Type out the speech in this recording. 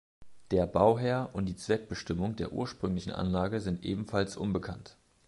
Der Bauherr und die Zweckbestimmung der ursprünglichen Anlage sind ebenfalls unbekannt.